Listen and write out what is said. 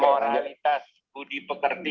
moralitas aku diperkerti